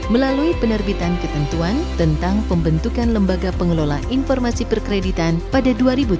melalui penerbitan ketentuan tentang pembentukan lembaga pengelola informasi perkreditan pada dua ribu tujuh belas